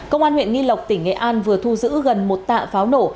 công an huyện nghi lộc tỉnh nghệ an vừa thu giữ gần một tạ pháo nổ